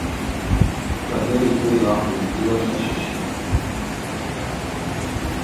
Кадыр игәы иахәеит илахь ашьышьра.